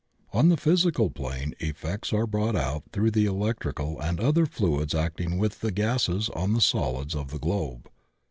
On the physical plane effects are brought out through the electrical and other fluids acting with the gases on the solids of the globe.